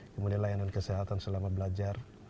kemudian layanan kesehatan selama belajar